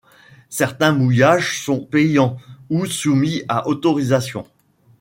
Certains mouillages sont payants ou soumis à autorisation.